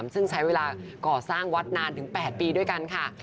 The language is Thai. ซึ่งใช้เวลาก่อสร้างวัดนานถึง๘ปีด้วยกันค่ะ